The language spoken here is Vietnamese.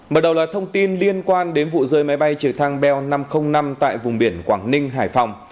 mở đầu là thông tin liên quan đến vụ rơi máy bay trực thăng bel năm trăm linh năm tại vùng biển quảng ninh hải phòng